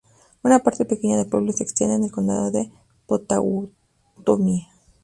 Una parte pequeña del pueblo se extiende en el condado de Pottawatomie.